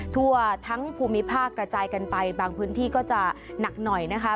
ทั่วทั้งภูมิภาคกระจายกันไปบางพื้นที่ก็จะหนักหน่อยนะคะ